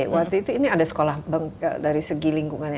jadi ada sekolah dari segi lingkungannya